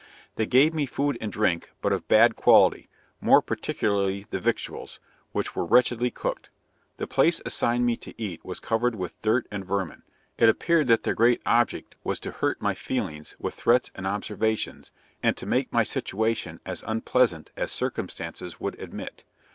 They gave me food and drink, but of bad quality, more particularly the victuals, which was wretchedly cooked. The place assigned me to eat was covered with dirt and vermin. It appeared that their great object was to hurt my feelings with threats and observations, and to make my situation as unpleasant as circumstances would admit.